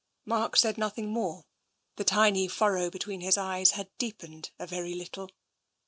Mark said nothing more. The tiny furrow between his eyes had deepened a very little.